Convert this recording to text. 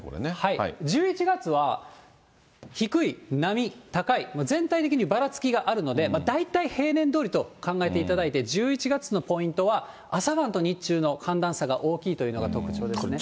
１１月は低い、並み、高いの全体的にばらつきがあるので、大体平年どおりと考えていただいて、１１月のポイントは、朝晩と日中の寒暖差が大きいというのが特徴ですね。